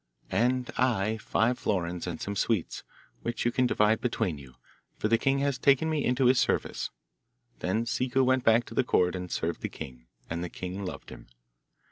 'And I five florins and some sweets, which you can divide between you, for the king has taken me into his service.' Then Ciccu went back to the Court and served the king, and the king loved him.